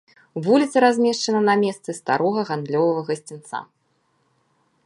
Вуліца размешчана на месцы старога гандлёвага гасцінца.